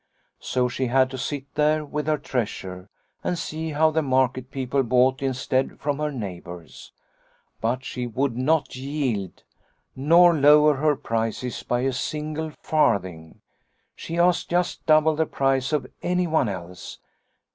" So she had to sit there with her treasure and see how the market people bought instead from her neighbours. But she would not yield, nor lower her prices by a single farthing. She asked just double the price of anyone else.